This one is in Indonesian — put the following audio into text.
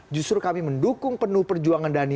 justru kami mendukung penuh perjuangan dhani